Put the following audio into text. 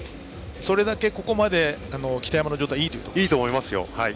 それだけ、ここまで北山の状態がいいと思いますよ。